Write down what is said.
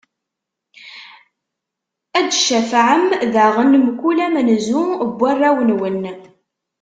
Ad d-tcafɛem daɣen mkul amenzu n warraw-nwen.